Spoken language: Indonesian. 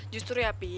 justru ya pi